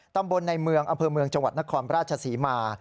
ตำบลในเมืองอำเภอเมืองจังหวัดนครราชศรีมา